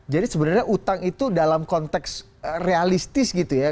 jadi sebenarnya utang itu dalam konteks realistis gitu ya